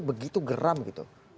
begitu geram gitu